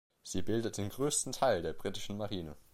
Sie bildet den größten Teil der britischen Marine.